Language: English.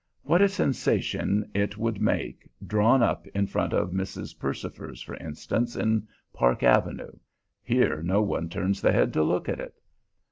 What a sensation it would make drawn up in front of Mrs. Percifer's, for instance, in Park Avenue! Here no one turns the head to look at it.